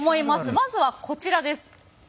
まずはこちらです。